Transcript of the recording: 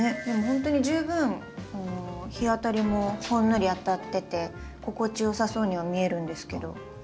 ほんとに十分日当たりもほんのり当たってて心地よさそうには見えるんですけど。